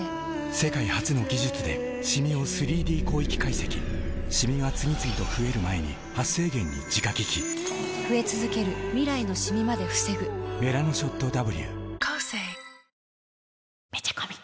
世界初の技術でシミを３Ｄ広域解析シミが次々と増える前に「メラノショットＷ」